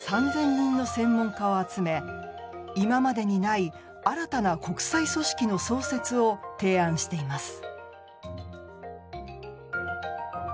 今こそパンデミックの予防に特化した３０００人の専門家を集め今までにない新たな国際組織の創設を提案しています。